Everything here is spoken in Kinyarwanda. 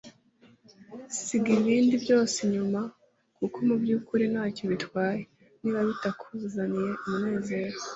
Siga ibindi byose inyuma kuko mubyukuri ntacyo bitwaye niba bitakuzaniye umunezero. ”